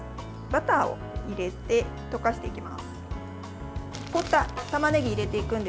バターを入れて溶かしていきます。